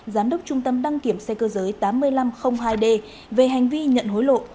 giám đốc trung tâm đăng kiểm xe cơ giới tám nghìn năm trăm linh hai d về hành vi nhận hối lộ